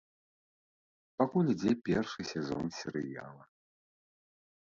Пакуль ідзе першы сезон серыяла.